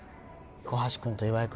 小橋君と岩井君